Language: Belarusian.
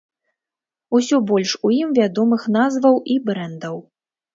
Усё больш у ім вядомых назваў і брэндаў.